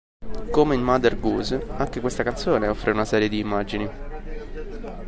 Come in "Mother Goose" anche questa canzone offre una serie di immagini.